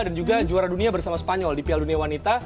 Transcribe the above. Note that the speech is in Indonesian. dan juga juara dunia bersama spanyol di piala dunia wanita